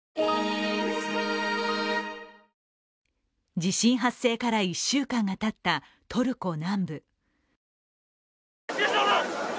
地震発生から１週間がたったトルコ南部。